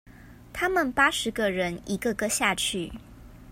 他們八十個人一個個下去